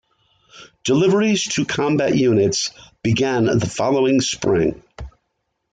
Deliveries to combat units began the following Spring.